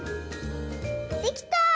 できた！